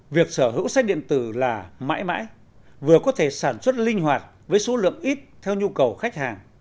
việc sở hữu sách điện tử là mãi mãi vừa có thể sản xuất linh hoạt với số lượng ít theo nhu cầu khách hàng